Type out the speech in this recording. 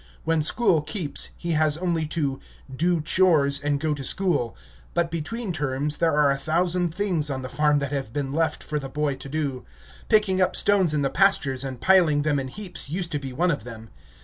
When school keeps, he has only to "do chores and go to school," but between terms there are a thousand things on the farm that have been left for the boy to do. Picking up stones in the pastures and piling them in heaps used to be one of them.